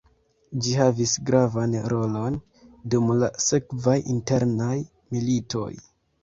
Ĝi havis gravan rolon dum la sekvaj internaj militoj.